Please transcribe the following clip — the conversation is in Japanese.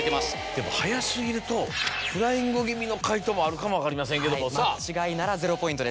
でも早過ぎるとフライング気味の解答もあるかも分かりませんけども。ですよね。